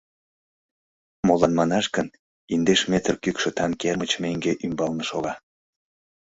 Молан манаш гын, индеш метр кӱкшытан кермыч менге ӱмбалне шога.